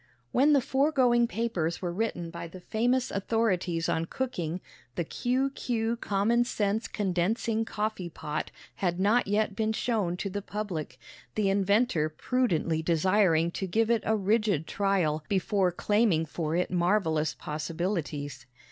WHEN the foregoing papers were written by the famous authorities on cooking, the Q. Q. common sense condensing coffee pot had not yet been shown to the public, the inventor prudently desiring to give it a rigid trial before claiming for it marvelous possibilities.